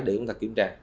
để chúng ta kiểm tra